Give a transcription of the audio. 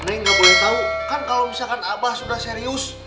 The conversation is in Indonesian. neng gak boleh tau kan kalau misalkan pak sudah serius